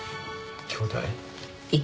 きょうだい？